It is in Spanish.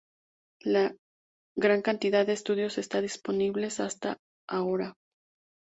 Gran cantidad de estudios están disponibles hasta ahora.